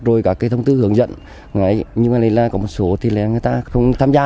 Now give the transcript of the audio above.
rồi cả cái thông tư hướng dẫn nhưng mà có một số người ta không tham gia